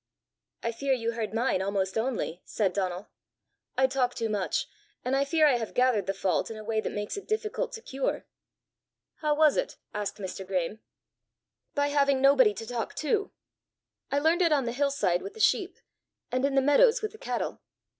"I fear you heard mine almost only!" said Donal. "I talk too much, and I fear I have gathered the fault in a way that makes it difficult to cure." "How was it?" asked Mr. Graeme. "By having nobody to talk to. I learned it on the hill side with the sheep, and in the meadows with the cattle.